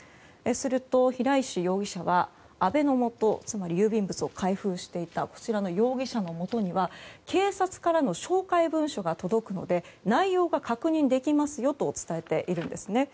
すると、平石容疑者は阿部の元つまり、郵便物を回避していたこちらの容疑者のもとには警察からの照会文書が届くので内容が確認できますよと伝えているんですね。